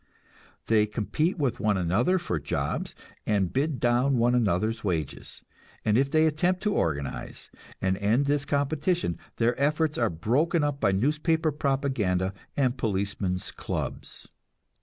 They compete with one another for jobs, and bid down one another's wages; and if they attempt to organize and end this competition, their efforts are broken by newspaper propaganda and policemen's clubs.